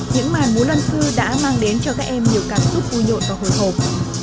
những màn mũ lân cư đã mang đến cho các em nhiều cảm xúc vui nhộn và hồi hộp